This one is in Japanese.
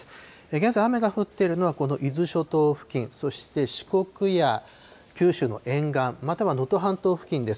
現在、雨が降っているのは、この伊豆諸島付近、そして、四国や九州の沿岸、または能登半島付近です。